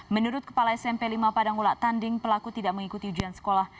menurut kepala smp lima padangulatanding pelaku tidak mengikuti ujian sekolah